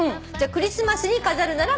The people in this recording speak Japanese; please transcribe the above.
「クリスマスに飾るなら」